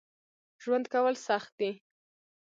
ژوند کول سخت دي